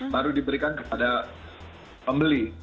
baru diberikan kepada pembeli